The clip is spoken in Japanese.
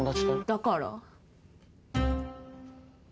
だから？